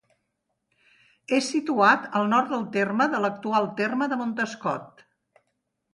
És situat al nord del terme de l'actual terme de Montescot.